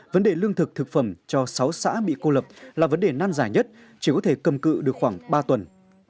vấn đề lương thực thực phẩm cho sáu xã bị cô lập là vấn đề nan giải nhất chỉ có thể cầm cự được khoảng ba tuần